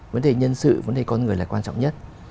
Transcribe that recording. vấn đề nhân sự vấn đề con người là quan trọng nhất